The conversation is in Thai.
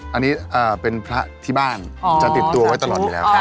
อันนี้เป็นพระที่บ้านจะติดตัวไว้ตลอดอยู่แล้วครับ